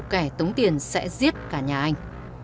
kẻ tống tiền sẽ giết cả nhà anh